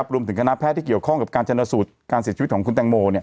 คณะแพทย์ที่เกี่ยวข้องกับการชนสูตรการเสียชีวิตของคุณแตงโม